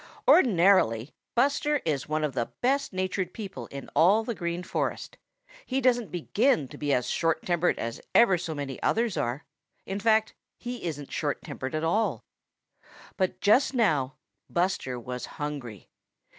Ordinarily Buster is one of the best natured people in all the Green Forest. He doesn't begin to be as short tempered as ever so many others are. In fact, he isn't short tempered at all. But just now Buster was hungry.